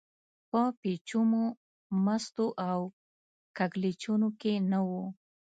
په پېچومو، مستو او کږلېچونو کې نه و.